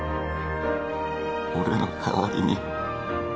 俺の代わりに